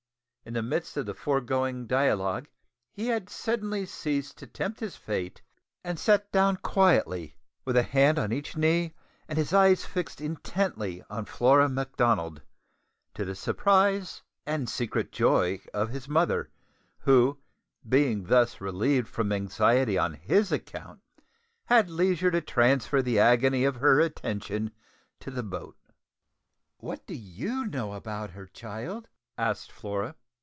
In the midst of the foregoing dialogue he had suddenly ceased to tempt his fate, and sat down quietly with a hand on each knee and his eyes fixed intently on Flora Macdonald to the surprise and secret joy of his mother, who, being thus relieved from anxiety on his account, had leisure to transfer the agony of her attention to the boat. "What do you know about her, child?" asked Flora.